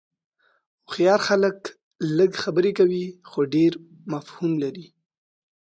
هوښیار خلک لږ خبرې کوي خو ډېر مفهوم لري.